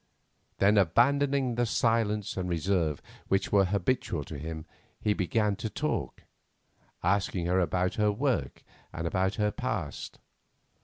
Then abandoning the silence and reserve which were habitual to him he began to talk, asking her about her work and her past.